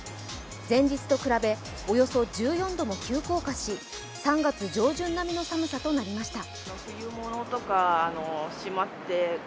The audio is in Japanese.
前日と比べおよそ１４度も急降下し、３月上旬並みの寒さとなりました。